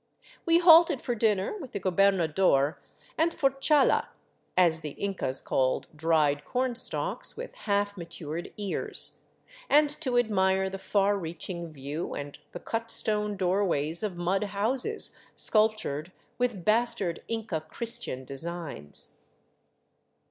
We halted for dinner with the gobernador, and for chala, as the Incas called dried cornstalks with half matured ears ; and to admire the far reaching view and the cut stone doorways of mud houses sculptured with bastard Inca Christian designs.